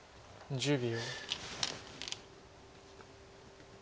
１０秒。